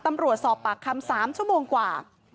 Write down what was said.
ตำรวจสอบปากคำ๓ชั่วโมงกว่า